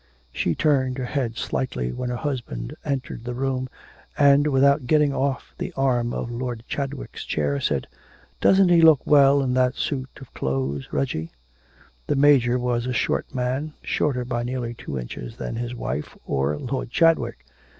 She turned her head slightly when her husband entered the room, and, without getting off the arm of Lord Chadwick's chair, said: 'Doesn't he look well in that suit of clothes, Reggie?' The Major was a short man, shorter by nearly two inches than his wife or Lord Chadwick.